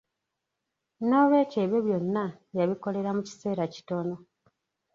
N'olw'ekyo ebyo byonna, yabikolera mu kiseera kitono.